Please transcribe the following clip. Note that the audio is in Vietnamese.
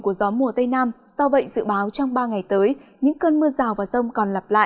của gió mùa tây nam do vậy dự báo trong ba ngày tới những cơn mưa rào và rông còn lặp lại